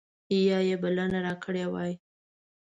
یا یې بلنه راکړې وای.